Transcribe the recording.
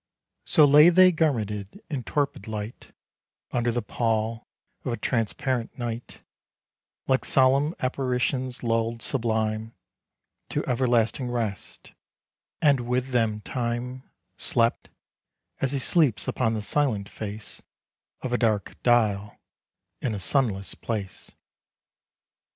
So lay they garmented in torpid light, Under the pall of a transparent night, Like solemn apparitions lull'd sublime To everlasting rest, and with them Time Slept, as he sleeps upon the silent face Of a dark dial in a sunless place.